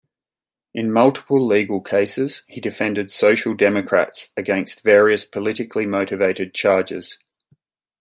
In multiple legal cases, he defended Social Democrats against various politically motivated charges.